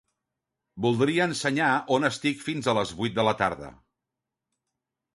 Voldria ensenyar on estic fins a les vuit de la tarda.